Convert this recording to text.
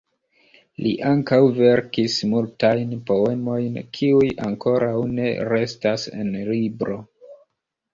Li ankaŭ verkis multajn poemojn kiuj ankoraŭ ne restas en libro.